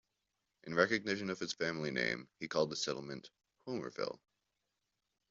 In recognition of his family name, he called the settlement "Homerville".